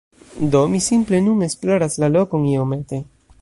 Do, mi simple nun esploras la lokon iomete